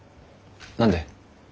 何で？